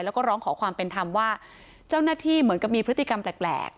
แล้วก็ร้องขอความเป็นธรรมว่าเจ้าหน้าที่เหมือนกับมีพฤติกรรมแปลก